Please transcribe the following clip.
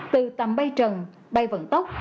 từ tầm bay trần bay vận tốc